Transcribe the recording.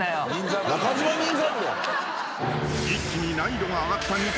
［一気に難易度が上がった２回戦］